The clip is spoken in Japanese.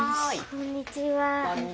こんにちは。